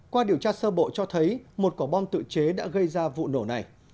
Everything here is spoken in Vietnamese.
qua điều tra sơ bộ cho thấy một quả bom tự chế đã gây ra vụ nổ này